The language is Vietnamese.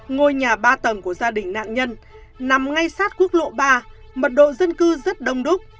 ngôi nhà ba tầng của gia đình nạn nhân nằm ngay sát quốc lộ ba mật độ dân cư rất đông đúc